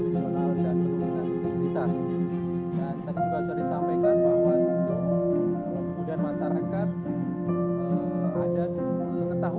tergugat dengan profesional dan penuh dengan kesehatan